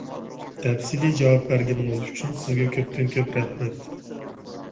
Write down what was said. تەپسىلىي جاۋاب بەرگەنلىكىڭىز ئۈچۈن سىزگە كۆپتىن-كۆپ رەھمەت!